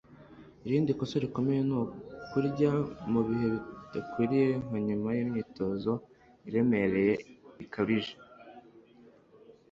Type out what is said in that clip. irindi kosa rikomeye ni ukurya mu bihe bidakwiriye, nka nyuma y'imyitozo iremereye bikabije